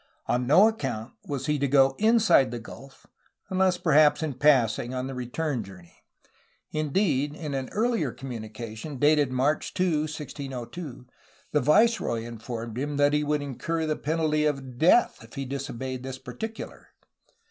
On no account was he to go inside the gulf, unless perhaps in passing, on the return journey; indeed, in an earlier communication, dated March 2, 1602, the viceroy informed him that he would incur the penalty of death if he disobeyed in this particular.